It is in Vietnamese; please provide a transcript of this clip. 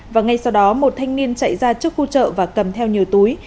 và ngay sau đó một thanh niên chạy ra trước khu chợ và cầm theo nhiều túi